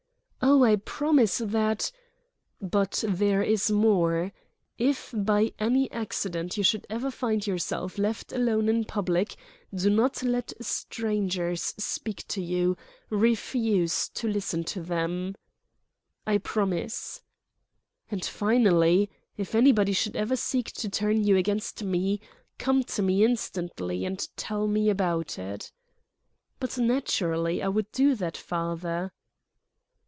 "Oh, I promise that—" "But there is more: If by any accident you should ever find yourself left alone in public, do not let strangers speak to you, refuse to listen to them." "I promise." "And finally: If anybody should ever seek to turn you against me, come to me instantly and tell me about it." "But naturally I would do that, father."